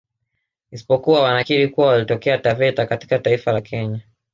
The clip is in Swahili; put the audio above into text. Isipokuwa wanakiri kuwa walitokea Taveta katika taifa la Kenya